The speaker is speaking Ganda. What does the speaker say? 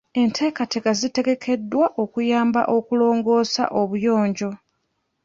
Enteekateeka zitegekeddwa okuyamba okulongoosa obuyonjo.